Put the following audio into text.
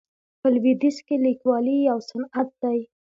په لویدیځ کې لیکوالي یو صنعت دی.